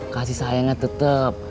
kasih sayangnya tetep